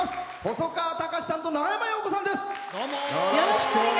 細川たかしさんと長山洋子さんです。